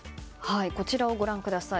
こちらをご覧ください。